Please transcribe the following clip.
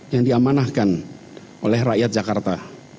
yang diamanahkan oleh rakyat jakarta